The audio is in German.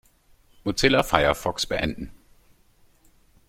Mozilla Firefox beenden.